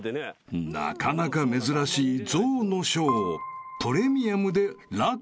［なかなか珍しい象のショー］